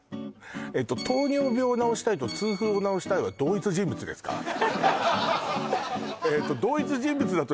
「糖尿病を治したい」と「痛風を治したい」は同一人物ですか？